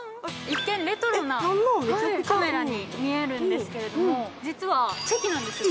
一見レトロなカメラに見えるんですけれども実はチェキなんですよ